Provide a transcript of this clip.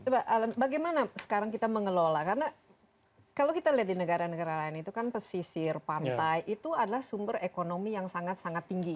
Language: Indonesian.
nah bagaimana sekarang kita mengelola karena kalau kita lihat di negara negara lain itu kan pesisir pantai itu adalah sumber ekonomi yang sangat sangat tinggi